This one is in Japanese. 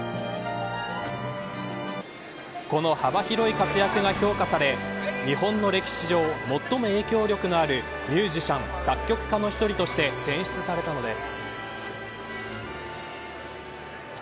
この幅広い活躍が評価され日本の歴史上最も影響力のあるミュージシャン、作曲家の１人として選出されたのです。